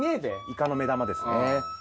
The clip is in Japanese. イカの目玉ですね。